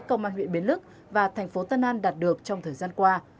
công an huyện biến lức và thành phố tân an đạt được trong thời gian qua